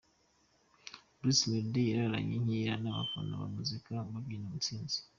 Bruce Melodie yararanye inkera n'abafana ba muzika babyina intsinzi.